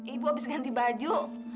ibu abis ganti baju